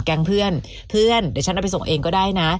แก๊งเพื่อนเพื่อนเดี๋ยวฉันเอาไปส่งเองก็ได้นะ